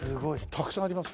たくさんあります。